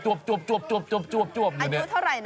อายุเท่าไรนะ